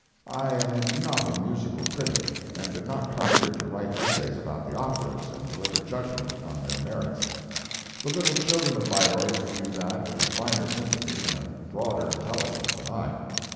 I am not a musical critic, and did not come here to write essays about the operas and deliver judgment upon their merits. The little children of Bayreuth could do that with a finer sympathy and a broader intelligence than I.